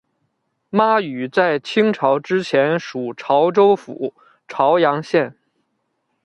妈屿在清朝之前属潮州府潮阳县。